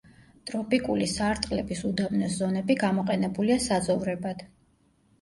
ტროპიკული სარტყლების უდაბნოს ზონები გამოყენებულია საძოვრებად.